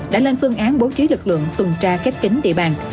đã lên phương án bố trí lực lượng tuần tra khép kính địa bàn